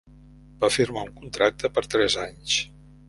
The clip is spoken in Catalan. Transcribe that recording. Va firmar un contracte per tres anys.